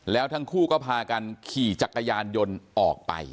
แล้วทั้งคู่ก็พากันขี่จักรยานยนต์ออกไป